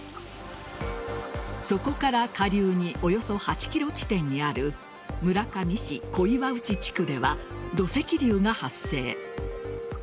そこから下流におよそ８ｋｍ地点にある村上市小岩内地区では土石流が発生。